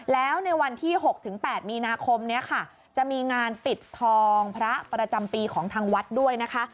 แล้วในวันที่๖๘มีนาคมนี้ค่ะจะมีงานปิดทองพระประจำปีของทางวัดด้วยนะคะ